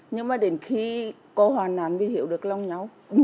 nhưng mà đến khi có hoàn nạn thì hiểu được lòng nhau